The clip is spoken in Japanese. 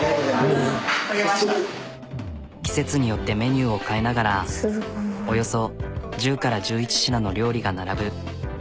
季節によってメニューを変えながらおよそ１０から１１品の料理が並ぶ。